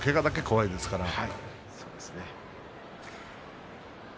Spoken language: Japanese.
けがだけが怖いですからね。